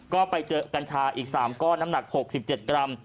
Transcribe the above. ก็ไปเจอกัญชาอีก๓ก้อนน้ำหนัก๖๗กรัม